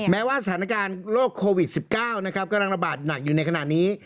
แม้ว่าสถานการณ์โรคโควิด๑๙นะครับกำลังระบาดหนักอยู่ในขณะนี้